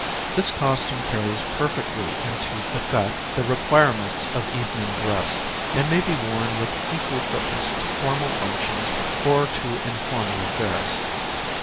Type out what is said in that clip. This costume carries perfectly into effect the requirements of evening dress, and may be worn with equal fitness to formal functions or to informal affairs.